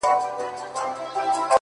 شبنچي زړه چي پر گيا باندې راوښويدی _